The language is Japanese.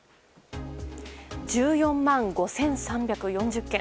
１４万５３４０件。